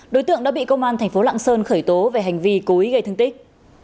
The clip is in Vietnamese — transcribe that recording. đối tượng đã bị công an tp lạng sơn khởi tố về hành vi cố ý gây thương tích